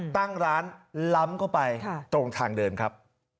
ตั้งร้านล้ำเข้าไปตรงทางเดินครับ